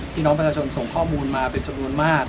พี่น้องประชาชนส่งข้อมูลมาเป็นจำนวนมาก